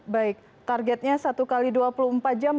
baik targetnya satu x dua puluh empat jam